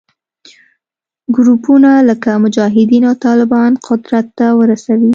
ګروپونه لکه مجاهدین او طالبان قدرت ته ورسوي